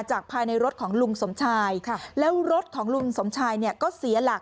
จากภายในรถของลุงสมชายแล้วรถของลุงสมชายเนี่ย